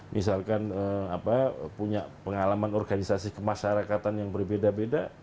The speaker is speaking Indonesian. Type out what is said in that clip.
misalkan punya pengalaman organisasi kemasyarakatan yang berbeda beda